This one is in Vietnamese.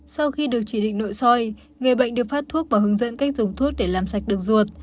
sau khi được chỉ định nội soi người bệnh được phát thuốc và hướng dẫn cách dùng thuốc để làm sạch được ruột